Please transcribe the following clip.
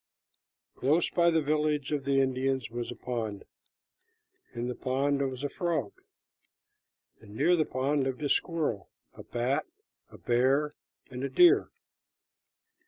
Close by the village of the Indians was a pond. In the pond was a frog, and near the pond lived a squirrel, a bat, a bear, and a deer.